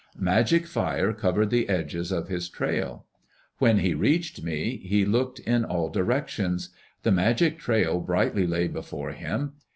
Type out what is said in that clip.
Magic fire covered the edges of his trail. When he reached me he looked in all directions. The magic trail brightly lay before him.